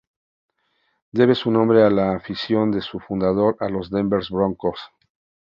Debe su nombre a la afición de su fundador a los Denver Broncos.